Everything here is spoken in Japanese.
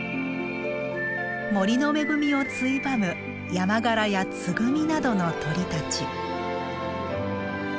森の恵みをついばむヤマガラやツグミなどの鳥たち。